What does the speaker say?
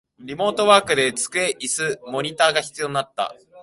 リモートワークで机、イス、モニタが必要になった